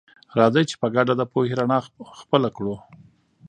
راځئ چې په ګډه د پوهې رڼا خپله کړه.